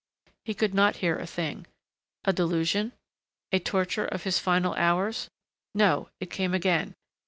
He could not hear a thing. A delusion? A torture of his final hours?... No, it came again.